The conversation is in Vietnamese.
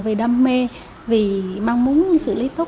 về đam mê vì mong muốn xử lý tốt